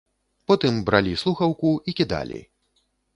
Потым бралі слухаўку і кідалі.